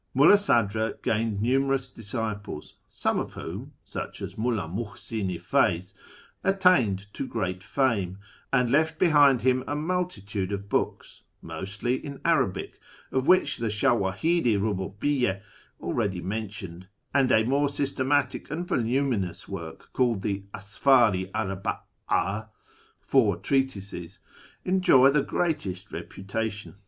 Mulla Sadni gained numerous disciples (some of whom, such as Mulla Muhsin i Feyz, attained to great fame), and left behind him a multitude of books, mostly in Arabic, of which the Shmvd]hid i Ruhubiyy6 already mentioned, and a more sys tematic and voluminous work called the Asfdr i arha a {" Four treatises "), enjoy the greatest reputation.